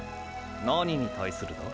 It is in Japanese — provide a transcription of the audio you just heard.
何に対するだ？